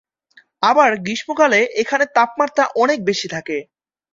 আবার গ্রীষ্মকালে এখানে তাপমাত্রা অনেক বেশি থাকে।